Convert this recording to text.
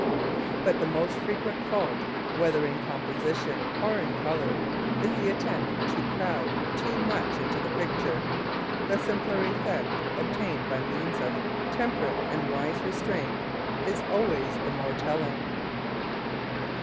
But the most frequent fault, whether in composition or in colour, is the attempt to crowd too much into the picture; the simpler effect obtained by means of temperate and wise restraint is always the more telling.